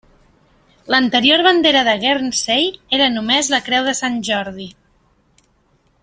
L'anterior bandera de Guernsey era només la creu de Sant Jordi.